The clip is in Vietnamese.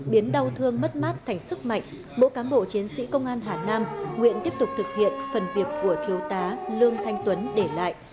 biến đau thương mất mát thành sức mạnh mỗi cán bộ chiến sĩ công an hà nam nguyện tiếp tục thực hiện phần việc của thiếu tá lương thanh tuấn để lại